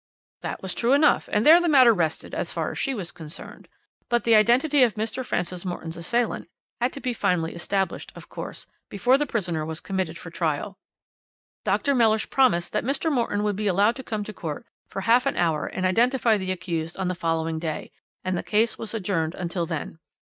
"That was true enough, and there the matter rested as far as she was concerned. But the identity of Mr. Francis Morton's assailant had to be finally established, of course, before the prisoner was committed for trial. Dr. Mellish promised that Mr. Morton would be allowed to come to court for half an hour and identify the accused on the following day, and the case was adjourned until then.